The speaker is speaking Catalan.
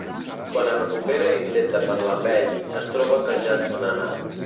Quan es recupera i intenta parlar amb ell, es troba que ja se n'ha anat.